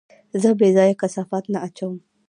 زه بېځايه کثافات نه اچوم.